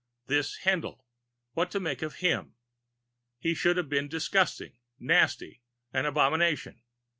This Haendl what to make of him? He should have been disgusting, nasty, an abomination.